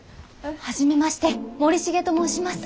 初めまして森重と申します。